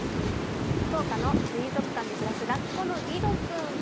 福岡の水族館で暮らすラッコのリロ君。